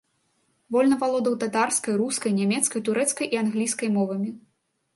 Вольна валодаў татарскай, рускай, нямецкай, турэцкай і англійскай мовамі.